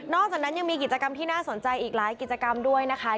จากนั้นยังมีกิจกรรมที่น่าสนใจอีกหลายกิจกรรมด้วยนะคะ